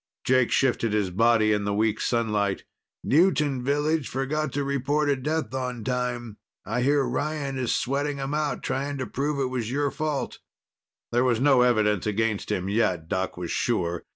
Jake shifted his body in the weak sunlight. "Newton village forgot to report a death on time. I hear Ryan is sweating them out, trying to prove it was your fault." There was no evidence against him yet, Doc was sure.